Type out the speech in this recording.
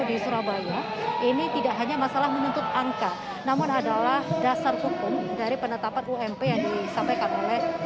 di surabaya ini tidak hanya masalah menuntut angka namun adalah dasar hukum dari penetapan ump yang disampaikan oleh